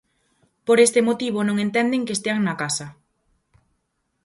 Por este motivo non entenden que estean na casa.